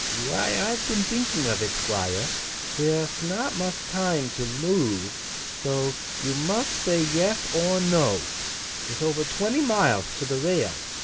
'Why, I've been thinking of it, Thquire. There'th not muth time to lothe, tho you muth thay yeth or no. Ith over twenty mileth to the rail.